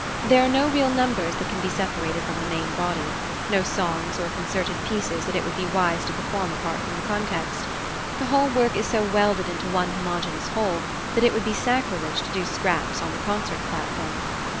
There are no real numbers that can be separated from the main body; no songs or concerted pieces that it would be wise to perform apart from the context: the whole work is so welded into one homogeneous whole that it would be sacrilege to do scraps on the concert platform.